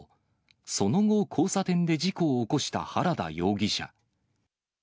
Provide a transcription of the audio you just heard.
その後、交差点で事故を起こした原田容疑者。